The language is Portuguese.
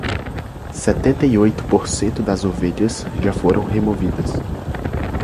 Setenta e oito por cento das ovelhas já foram removidas